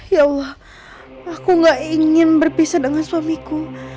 ya allah aku gak ingin berpisah dengan suamiku